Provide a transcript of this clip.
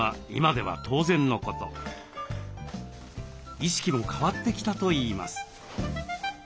意識も変わってきたといいます。